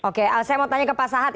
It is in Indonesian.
oke saya mau tanya ke pak sahat